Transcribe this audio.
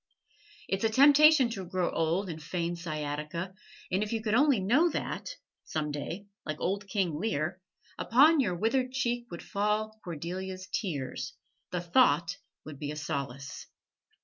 It's a temptation to grow old and feign sciatica; and if you could only know that, some day, like old King Lear, upon your withered cheek would fall Cordelia's tears, the thought would be a solace.